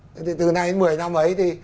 thế thì từ nay đến một mươi năm ấy thì